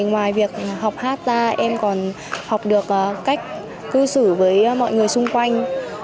ngoài việc học hát ra em còn học được cách cư xử với mọi người xung quanh